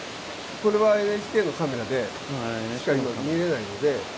これはＮＨＫのカメラじゃないと見れないので。